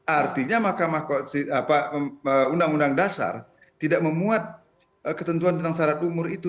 artinya mahkamah undang undang dasar tidak memuat ketentuan tentang syarat umur itu